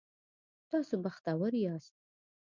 تاسو بختور یاست